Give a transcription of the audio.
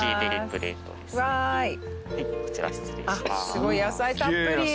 すごい野菜たっぷり。